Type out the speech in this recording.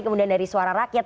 kemudian dari suara rakyat